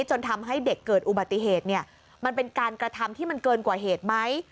จนทำให้เด็กเกิดอุบัติเหตุเนี่ยมันเป็นการกระทำที่มันเกินกว่าเหตุไหม